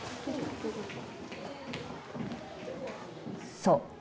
そう。